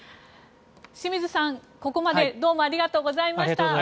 清水さん、ここまでどうもありがとうございました。